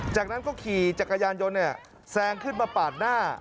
จากนั้นก็ขี่จักรยานยนต์แซงขึ้นมาปาดหน้า